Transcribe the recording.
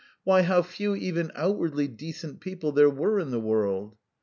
Why, how few even outwardly decent people there were in the world!